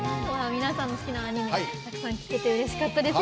皆さんの好きなアニメたくさん聞けてうれしかったです。